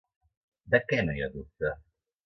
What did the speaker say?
De què no hi ha dubte?